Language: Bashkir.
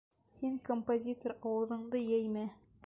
Һин, композитор, ауыҙыңды йәймә!